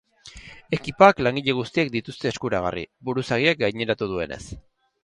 Ekipoak langile guztiek dituzte eskuragarri, buruzagiak gaineratu duenez.